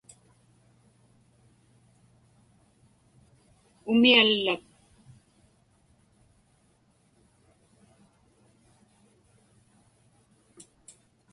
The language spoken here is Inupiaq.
umiallak